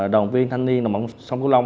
đồng viên thanh niên đồng bộ sông cửu long